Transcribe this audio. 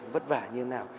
vất vả như thế nào